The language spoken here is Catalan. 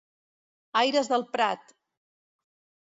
Aires del Prat!